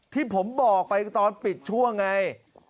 ที่ผมบอกไปตอนปิดช่วงไง